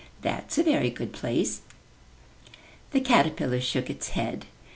'That's a very good place/' The caterpillar shook its head.